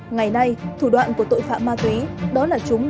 ngày nay thủ đoạn của tội phạm ma túy đó là chúng